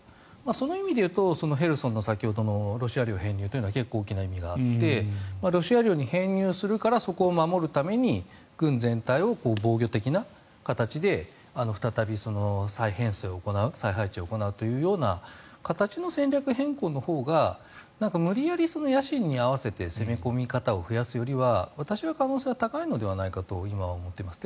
その意味で言うとヘルソンの先ほどのロシア領編入というのは結構大きな意味があってロシア領に編入するからそこを守るために軍全体を防御的な形で再び再編成を行う再配置を行うというような形の戦略変更のほうが無理やり野心に合わせて攻め込み方を増やすよりは私は可能性は高いのではないかと今は思っています。